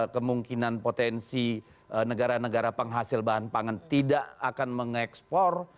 kemungkinan potensi negara negara penghasil bahan pangan tidak akan mengekspor